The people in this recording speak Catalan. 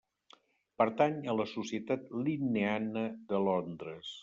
Pertany a la Societat linneana de Londres.